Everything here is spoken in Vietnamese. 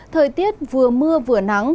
thời tiết vừa mưa vừa nắng